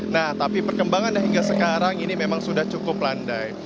nah tapi perkembangannya hingga sekarang ini memang sudah cukup landai